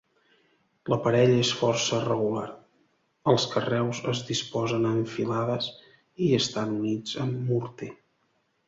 L'aparell és força regular, els carreus es disposen en filades i estan units amb morter.